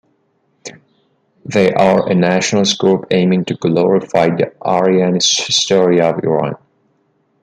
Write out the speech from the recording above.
They are a nationalist group aiming to glorify the Aryan history of Iran.